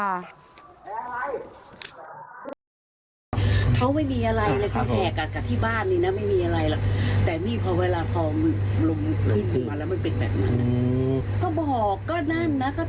แล้วก็ตอนนี้ช่วงนี้ก็ไม่ได้ไปให้ยาจังเขาไปกิน